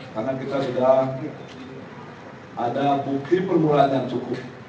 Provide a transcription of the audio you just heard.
karena kita sudah ada bukti penularan yang cukup